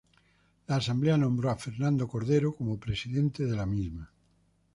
La Asamblea nombró a Fernando Cordero como presidente de la misma.